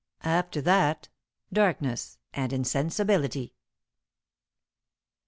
After that, darkness and insensibility.